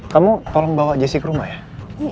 kamu tolong bawa jessi ke rumah ya